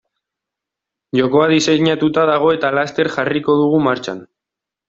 Jokoa diseinatuta dago eta laster jarriko dugu martxan.